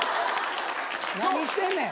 何してんねん。